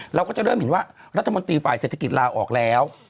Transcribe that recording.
เราก็จะเริ่มเห็นว่ารัฐมนตรีฝ่ายเศรษฐกิจลาออกแล้ว